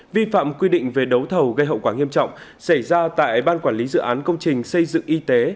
vi phạm quy định về đấu thầu gây hậu quả nghiêm trọng xảy ra tại ban quản lý dự án công trình xây dựng y tế